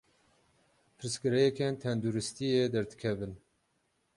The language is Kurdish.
Pirsgirêkên tenduristiyê derdikevin.